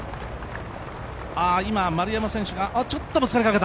今、丸山選手がちょっとぶつかりかけた？